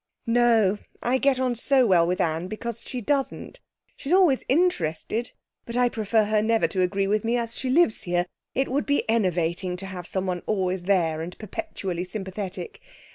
'No, I get on so well with Anne because she doesn't She's always interested, but I prefer her never to agree with me, as she lives here. It would be enervating to have someone always there and perpetually sympathetic.